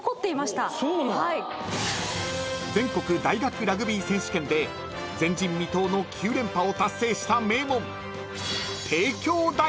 ［全国大学ラグビー選手権で前人未到の９連覇を達成した名門］